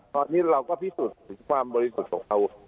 ตอนนี้เราก็พิสูจน์ถึงความบริสุทธิ์ของเขา